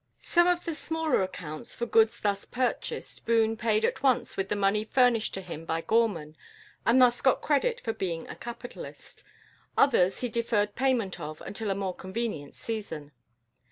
Some of the smaller accounts for goods thus purchased Boone paid at once with the money furnished to him by Gorman, and thus got credit for being a capitalist. Others he deferred payment of until a more convenient season.